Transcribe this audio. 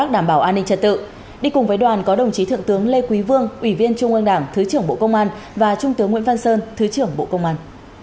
đi cùng với đoàn có đồng chí thượng tướng lê quý vương ủy viên trung ương đảng thứ trưởng bộ công an và trung tướng nguyễn văn sơn thứ trưởng bộ công an